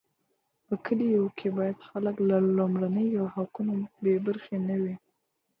په کلیو کي باید خلګ له لومړنیو حقونو بې برخي نه وي.